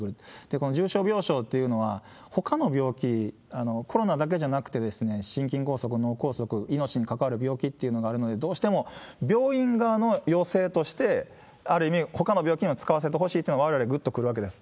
この重症病床っていうのは、ほかの病気、コロナだけじゃなくて、心筋梗塞、脳梗塞、いのちにかかわるびょうきっていうのがあるのでどうしても病院側の要請として、ある意味ほかの病気にも使わせてほしいといわれるとわれわれ、ぐっとくるわけです。